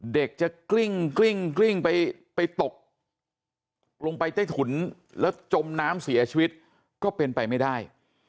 เด็กจะกลิ้งไปตกลงไปใต้ถุนแล้วจมน้ำเสียชีวิตก็เป็นไปไม่ได้